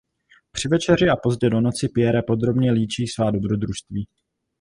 Při večeři a pozdě do noci Pierre podrobně líčí svá dobrodružství.